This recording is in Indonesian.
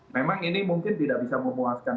memang ini mungkin tidak bisa memuaskan